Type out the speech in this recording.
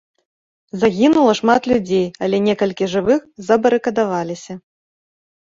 Загінула шмат людзей, але некалькі жывых забарыкадаваліся.